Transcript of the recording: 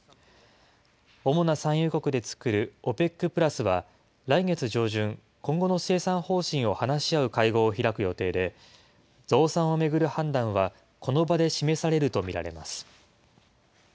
主な産油国で作るＯＰＥＣプラスは、来月上旬、今後の生産方針を話し合う会合を開く予定で、増産を巡る判断はこの場で示されると見られます。